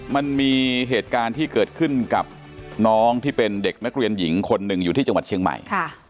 มันมีเหตุการณ์ที่เกิดขึ้นกับน้องที่เป็นเด็กนักเรียนหญิงคนหนึ่งอยู่ที่จังหวัดเชียงใหม่